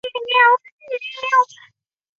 本站现由北京铁路局管辖。